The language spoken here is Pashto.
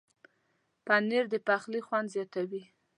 پنېر د پخلي خوند زیاتوي.